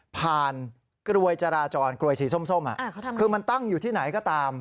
กลวยจราจรกลวยสีส้มคือมันตั้งอยู่ที่ไหนก็ตาม